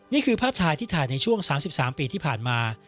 นี่คือภาพถ่ายที่ถ่ายในช่วง๓๓ปีที่ผ่านมา